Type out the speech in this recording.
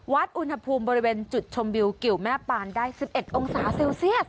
วัดอุณหภูมิบริเวณจุดชมวิวกิวแม่ปานได้๑๑องศาเซลเซียส